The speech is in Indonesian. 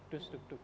dus duk duk